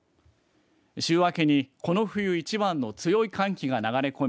週明けに、この冬一番の強い寒気が流れ込み